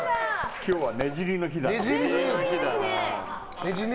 今日はねじりの日だね。